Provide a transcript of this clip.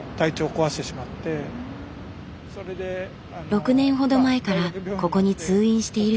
６年ほど前からここに通院しているという男性。